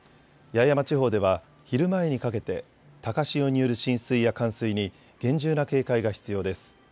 八重山地方では昼前にかけて高潮による浸水や冠水に厳重な警戒が必要です。